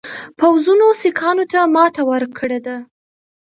پوځونو سیکهانو ته ماته ورکړې ده.